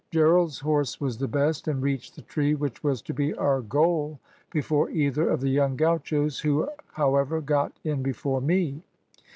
Gerald's horse was the best, and reached the tree which was to be our goal before either of the young gauchos, who, however, got in before me.